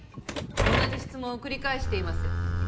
同じ質問を繰り返しています！